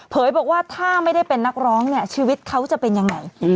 บอกว่าถ้าไม่ได้เป็นนักร้องเนี่ยชีวิตเขาจะเป็นยังไง